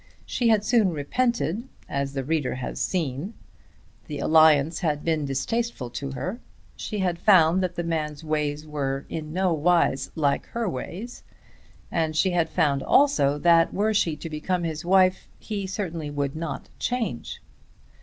She had soon repented, as the reader has seen. The alliance had been distasteful to her. She had found that the man's ways were in no wise like her ways, and she had found also that were she to become his wife, he certainly would not change.